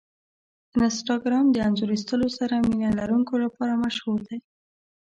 انسټاګرام د انځور ایستلو سره مینه لرونکو لپاره مشهور دی.